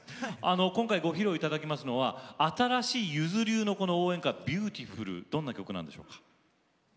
今回ご披露いただくのは新しいゆず流の応援歌「ビューティフル」どんな曲なんですか。